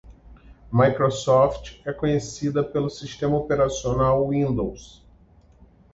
Microsoft é conhecida pelo sistema operacional Windows.